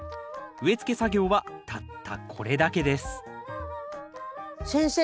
植えつけ作業はたったこれだけです先生